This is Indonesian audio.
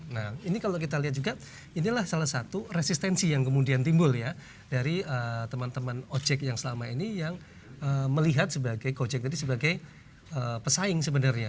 nah ini kalau kita lihat juga inilah salah satu resistensi yang kemudian timbul ya dari teman teman ojek yang selama ini yang melihat sebagai gojek ini sebagai pesaing sebenarnya